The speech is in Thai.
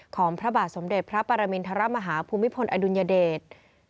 พระบาทสมเด็จพระปรมินทรมาฮาภูมิพลอดุลยเดช